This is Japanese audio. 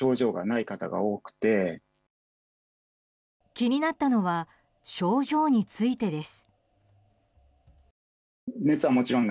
気になったのは症状についてです。